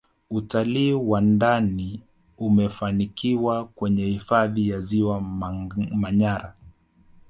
utalii wa ndani umefanikiwa kwenye hifadhi ya ziwa manyara